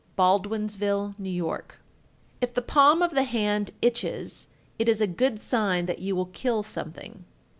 Baldwinsville, N.Y. 1362. If the palm of the hand itches, it is a good sign that you will kill something.